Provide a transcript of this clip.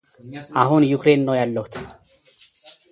አሁን ዩክሬን ነው ያለሁት።